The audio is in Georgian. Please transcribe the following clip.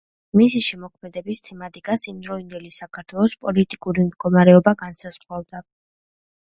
მისი შემოქმედების თემატიკას იმდროინდელი საქართველოს პოლიტიკური მდგომარეობა განსაზღვრავდა.